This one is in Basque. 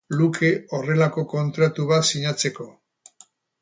luke horrelako kontratu bat sinatuko.